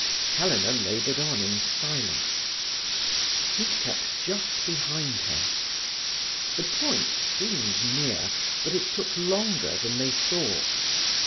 Helena laboured on in silence; he kept just behind her. The point seemed near, but it took longer than they thought.